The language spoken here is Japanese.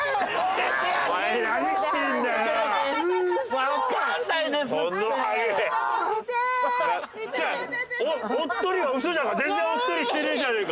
全然おっとりしてねえじゃねえか。